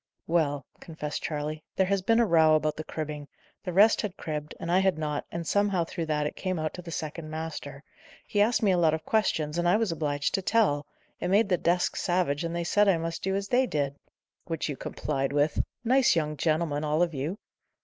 "Well," confessed Charley, "there has been a row about the cribbing. The rest had cribbed, and I had not, and somehow, through that, it came out to the second master. He asked me a lot of questions, and I was obliged to tell. It made the desk savage, and they said I must do as they did." "Which you complied with! Nice young gentlemen, all of you!"